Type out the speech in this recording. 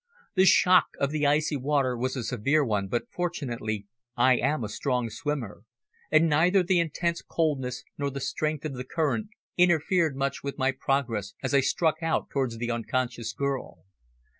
The shock of the icy water was a severe one but, fortunately, I am a strong swimmer, and neither the intense coldness nor the strength of the current interfered much with my progress as I struck out towards the unconscious girl.